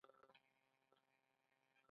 دوی ورو ورو ټول هند ونیو.